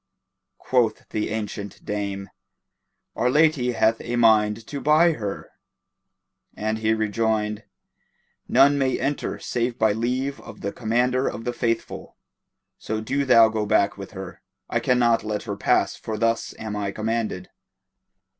quoth the ancient dame, "Our lady hath a mind to buy her;" and he rejoined, "None may enter save by leave of the Commander of the Faithful; so do thou go back with her. I can not let her pass for thus am I commanded."